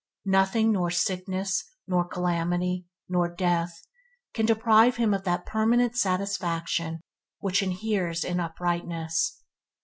Nothing nor sickness, nor calamity, nor death – can deprive him of that permanent satisfaction which inheres in uprightness.